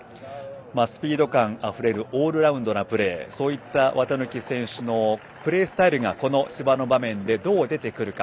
スピード感あふれるオールラウンダー綿貫選手のプレースタイルがこの芝の場面で、どう出てくるか。